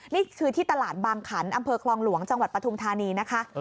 นี่คือที่ตลาดบางขันอำเภอคลองหลวงจังหวัดปฐุมธานีนะคะ